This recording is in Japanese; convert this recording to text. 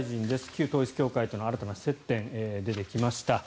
旧統一教会との新たな接点が出てきました。